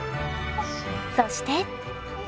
そして。